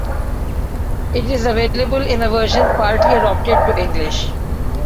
It is available in a version partly adopted to English.